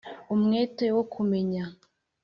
umwete wo kumumenya